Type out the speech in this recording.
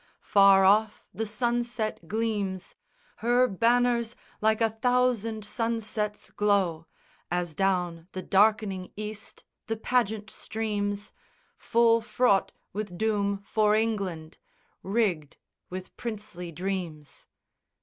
Far off the sunset gleams: Her banners like a thousand sunsets glow, As down the darkening East the pageant streams, Full fraught with doom for England, rigged with princely dreams.